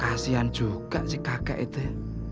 kasian juga kakak itu